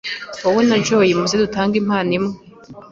wowe na Joy muze dutange impano imwe